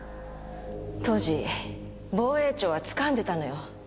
当時防衛庁はつかんでたのよ。